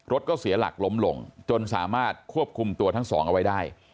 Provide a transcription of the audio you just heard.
รถก็เสียหลักล้มลงจนสามารถควบคุมตัวทั้งสองเอาไว้ได้